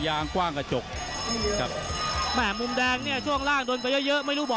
ตาโกนร้อยด้วยอ่ะกับพี่ซ้อยมาดีอยู่แล้ว